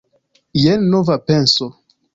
Jen nova penso!